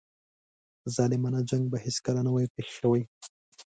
ظالمانه جنګ به هیڅکله نه وای پېښ شوی.